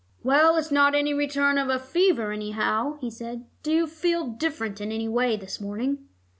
"Well, it's not any return of fever, anyhow," he said. "Do you feel different in any way this morning?"